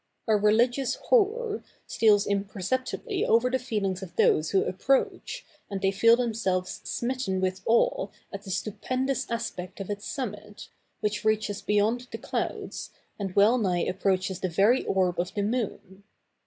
A religious horror steals imperceptibly over the feelings of those who approach, and they feel themselves smitten with awe at the stupendous aspect of its summit, which reaches beyond the clouds, and well nigh approaches the very orb of the moon.